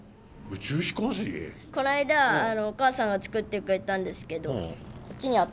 この間お母さんが作ってくれたんですけどこっちにあったっけ。